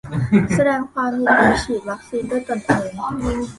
แสดงความยินยอมฉีดวัคซีนด้วยตนเอง